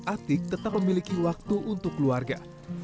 atik tetap memiliki waktu untuk keluarga